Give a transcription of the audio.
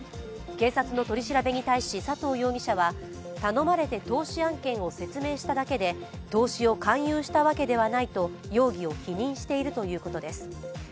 警察の取り調べに対し佐藤容疑者は頼まれて投資案件を説明しただけで投資を勧誘したわけではないと容疑を否認しているということです。